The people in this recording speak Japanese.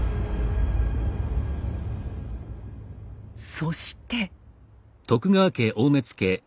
そして。